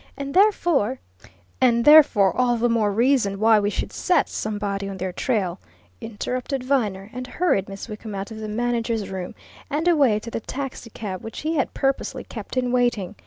And therefore " "And therefore all the more reason why we should set somebody on their trail," interrupted Viner, and hurried Miss Wickham out of the manager's room and away to the taxicab which he had purposely kept in waiting.